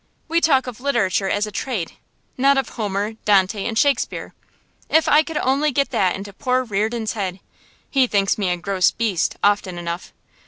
We talk of literature as a trade, not of Homer, Dante, and Shakespeare. If I could only get that into poor Reardon's head. He thinks me a gross beast, often enough.